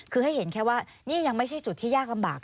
คือให้เห็นแค่ว่านี่ยังไม่ใช่จุดที่ยากลำบาก